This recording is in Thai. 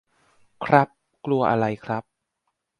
ครับ กลัวอะไรครับ ?